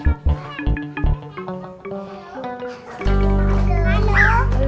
oh gak mau maunya apa